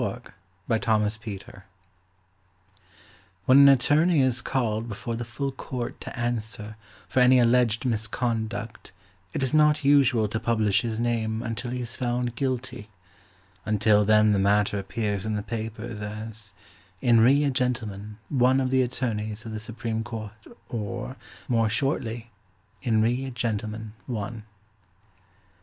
"In Re a Gentleman, One" When an attorney is called before the Full Court to answer for any alleged misconduct it is not usual to publish his name until he is found guilty; until then the matter appears in the papers as "In re a Gentleman, One of the Attorneys of the Supreme Court", or, more shortly, "In re a Gentleman, One".